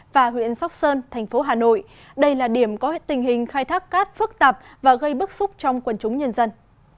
và huyện sóc sơn thành phố hà nội đây là điểm có tình hình khai thác cát phức tạp và gây bức xúc trong quần chúng nhân dân